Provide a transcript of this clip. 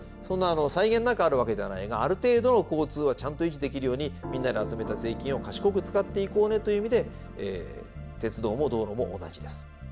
そんな際限なくあるわけではないがある程度の交通はちゃんと維持できるようにみんなで集めた税金を賢く使っていこうねという意味で鉄道も道路も同じです。